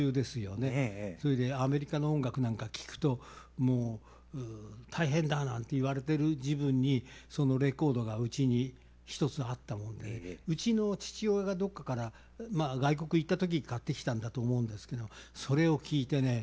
それでアメリカの音楽なんか聴くともう大変だなんて言われてる時分にそのレコードがうちに一つあったもんでうちの父親がどこかからまあ外国行った時に買ってきたんだと思うんですけどそれを聴いてね